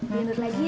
dianur lagi ya